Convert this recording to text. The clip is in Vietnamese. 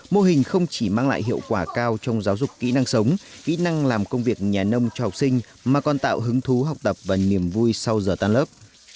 mô hình không chỉ mang lại hiệu quả cao trong giáo dục kỹ năng sống kỹ năng làm công việc nhà nông cho học sinh mà còn tạo hứng thú học tập và niềm vui sau giờ tan lớp